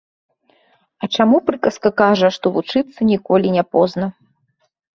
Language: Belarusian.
А чаму прыказка кажа, што вучыцца ніколі не позна.